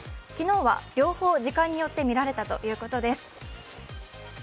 昨日は両方、時間によって見られたということです。